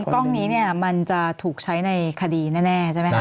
กล้องนี้มันจะถูกใช้ในคดีแน่ใช่ไหมคะ